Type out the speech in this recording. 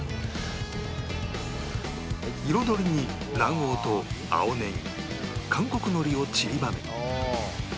彩りに卵黄と青ネギ韓国のりをちりばめ